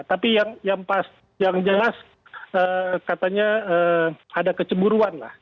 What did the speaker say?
tapi yang jelas katanya ada keceburuan lah